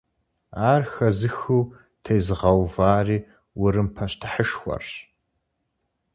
Ар хэзыхыу тезыгъэувари Урым пащтыхьышхуэрщ.